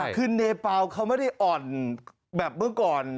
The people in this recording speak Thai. คือเนเปล่าเขาไม่ได้อ่อนแบบเมื่อก่อน